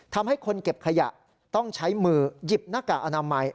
ทำให้คนเก็บขยะต้องใช้มือหยิบหน้ากากอนามัย